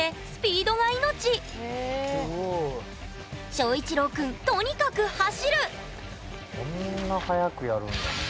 翔一郎くんとにかく走るそんな速くやるんだ。